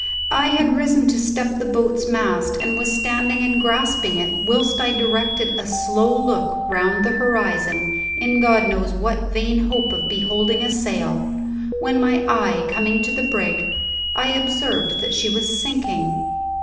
I had risen to step the boat's mast, and was standing and grasping it whilst I directed a slow look round the horizon in God knows what vain hope of beholding a sail, when my eye coming to the brig, I observed that she was sinking.